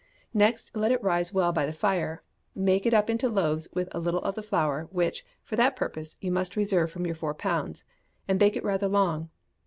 Next let it rise well before the fire, make it up into loaves with a little of the flour which, for that purpose, you must reserve from your four pounds and bake it rather long.